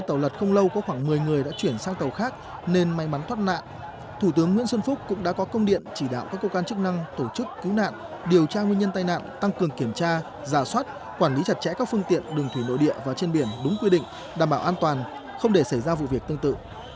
tàu lật không lâu có khoảng một mươi người đã chuyển sang tàu khác nên may mắn thoát nạn thủ tướng nguyễn xuân phúc cũng đã có công điện chỉ đạo các cơ quan chức năng tổ chức cứu nạn điều tra nguyên nhân tai nạn tăng cường kiểm tra giả soát quản lý chặt chẽ các phương tiện đường thủy nội địa và trên biển đúng quy định đảm bảo an toàn không để xảy ra vụ việc tương tự